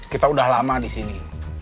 kita udah lama di sini